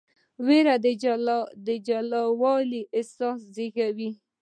ویره د جلاوالي احساس زېږوي.